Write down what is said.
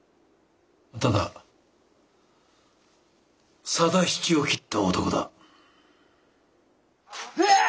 ただ定七を斬った男だ。